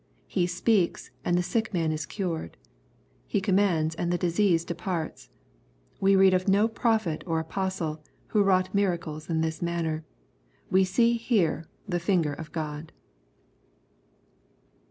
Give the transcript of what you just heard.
He speaks, and the sick man is cured. He commands, and the disease departs. We read of no prophet or apostle, who wrought miracles in this manner. We see here the finger of God.